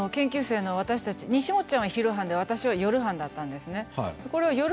研究生は私たちにしもっちゃんは昼班で私は夜班だったんですね。